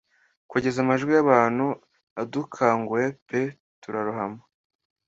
Kugeza amajwi yabantu adukanguye pe turarohama.